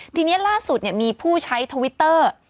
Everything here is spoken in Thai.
ทีนี้ล่าสุดมีผู้ใช้ทวิตเตอร์